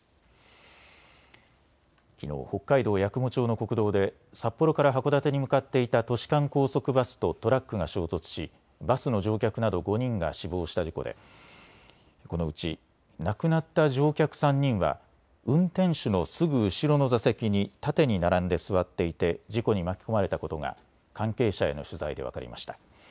きのう北海道八雲町の国道で札幌から函館に向かっていた都市間高速バスとトラックが衝突しバスの乗客など５人が死亡した事故でこのうち亡くなった乗客３人は運転手のすぐ後ろの座席に縦に並んで座っていて事故に巻き込まれたことが関係者への取材で分かりました。